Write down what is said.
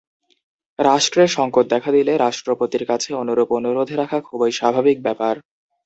রাষ্ট্রে সংকট দেখা দিলে রাষ্ট্রপতির কাছে অনুরূপ অনুরোধ রাখা খুবই স্বাভাবিক ব্যাপার।